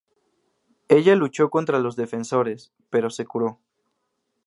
Ella luchó contra los Defensores, pero se curó.